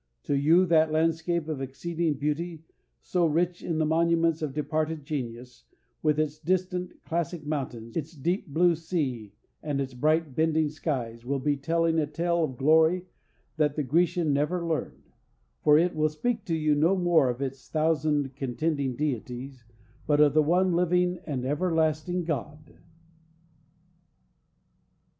To you that landscape of exceeding beauty, so rich in the monuments of departed genius, with its distant classic mountains, its deep, blue sea, and its bright, bending skies will be telling a tale of glory that the Grecian never learned; for it will speak to you no more of its thousand contending deities, but of the one living and everlasting God.